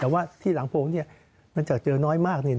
แต่ว่าที่หลังโพงมันจะเจอน้อยมาก